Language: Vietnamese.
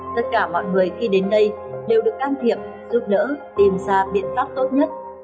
tất cả mọi người khi đến đây đều được can thiệp giúp đỡ tìm ra biện pháp tốt nhất